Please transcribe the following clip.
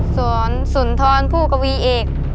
สวนสุนทรพูกวีเอก